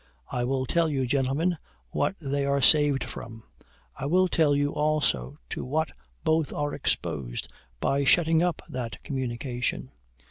I will tell you, gentlemen, what they are saved from; I will tell you also to what both are exposed by shutting up that communication.